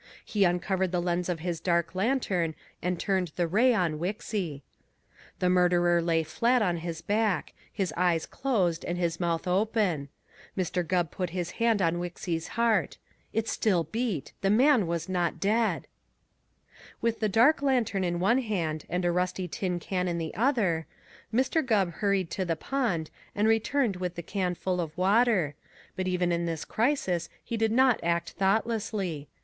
He uncovered the lens of his dark lantern and turned the ray on Wixy. The murderer lay flat on his back, his eyes closed and his mouth open. Mr. Gubb put his hand on Wixy's heart. It still beat! The man was not dead! [Illustration: WITH ANOTHER GROAN WIXY RAISED HIS HANDS] With the dark lantern in one hand and a rusty tin can in the other, Mr. Gubb hurried to the pond and returned with the can full of water, but even in this crisis he did not act thoughtlessly.